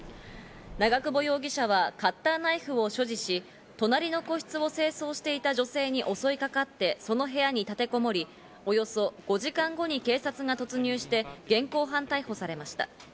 長久保容疑者はカッターナイフを所持し、隣の個室を清掃していた女性に襲いかかって、その部屋に立てこもり、およそ５時間後に警察が突入して現行犯逮捕されました。